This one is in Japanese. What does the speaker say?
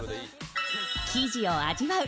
生地を味わう